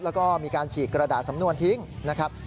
แล้วก็มีการฉีกกระดาษสำนวนทิ้งนะครับ